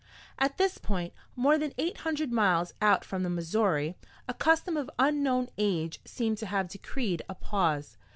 At this point, more than eight hundred miles out from the Missouri, a custom of unknown age seemed to have decreed a pause.